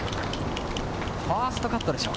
ファーストカットでしょ